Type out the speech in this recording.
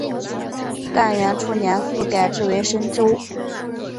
干元初年复改置为深州。